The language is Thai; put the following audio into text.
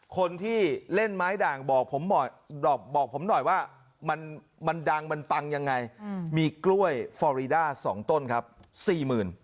คนที่เล่นไม้ด่างบอกผมบอกผมหน่อยว่ามันดังมันปังยังไงมีกล้วยฟอรีด้า๒ต้นครับสี่หมื่น